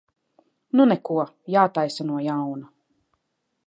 Nu neko, jātaisa no jauna.